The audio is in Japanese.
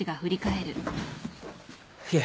いえ。